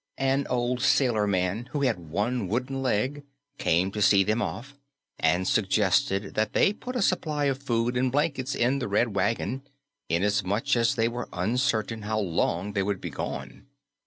An old sailor man who had one wooden leg came to see them off and suggested that they put a supply of food and blankets in the Red Wagon inasmuch as they were uncertain how long they would be gone.